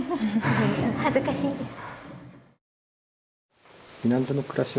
恥ずかしいです。